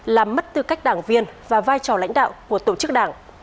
làm mất tư cách đảng viên và vai trò lãnh đạo của tổ chức đảng